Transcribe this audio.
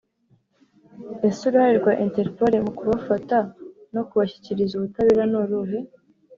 Ese uruhare rwa Interpol mu kubafata no kubashyikiriza ubutabera ni uruhe